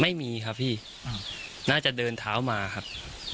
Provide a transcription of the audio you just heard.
ไม่มีครับพี่น่าจะเดินเท้ามาครับ